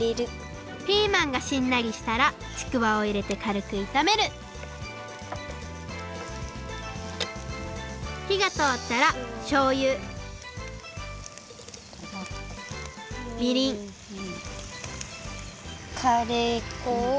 ピーマンがしんなりしたらちくわをいれてかるくいためるひがとおったらしょうゆみりんカレーこを。